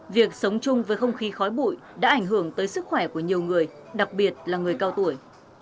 việc sống chung với không khí khói bụi đã ảnh hưởng tới sức khỏe của nhiều người đặc biệt là người cao tuổi